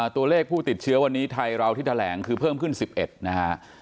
ตัวเลขผู้ติดเชื้อวันนี้ไทยเราที่แถลงคือเพิ่มขึ้น๑๑นะฮะ